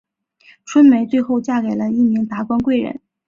春梅最后嫁给了一名达官贵人。